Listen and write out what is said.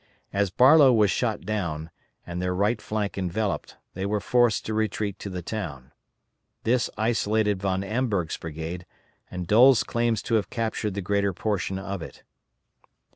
As Barlow was shot down, and their right flank enveloped, they were forced to retreat to the town. This isolated Von Amberg's brigade, and Doles claims to have captured the greater portion of it.